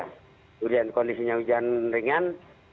kemudian kondisinya hujan ringan